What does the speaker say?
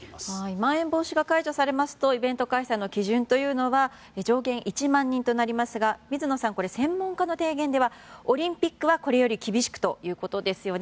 まん延防止が解除されますとイベント開催の基準は上限１万人となりますが水野さん、専門家の提言ではオリンピックはこれより厳しくということですよね。